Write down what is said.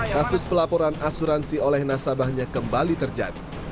kasus pelaporan asuransi oleh nasabahnya kembali terjadi